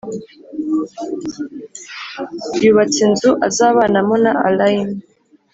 yubatse inzu azabanamo na allayne.